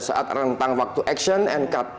tidak hanya pada saat rentang waktu action and cut